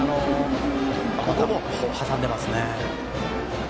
また挟んでますね。